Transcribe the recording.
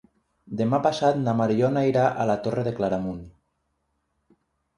Demà passat na Mariona irà a la Torre de Claramunt.